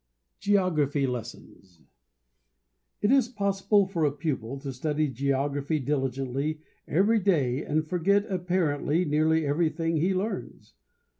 GEOGRAPHY LESSONS. It is possible for a pupil to study geography diligently every day and forget apparently nearly everything he learns.